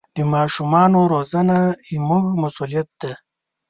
د ماشومانو روزنه زموږ مسوولیت دی.